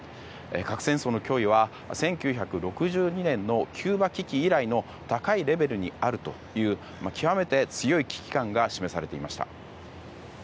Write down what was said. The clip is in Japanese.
核戦争の脅威は１９６２年のキューバ危機以来の高いレベルにあるという極めて強い危機感が示されていました。